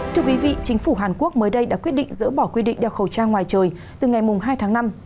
thưa quý vị chính phủ hàn quốc mới đây đã quyết định dỡ bỏ quy định đeo khẩu trang ngoài trời từ ngày hai tháng năm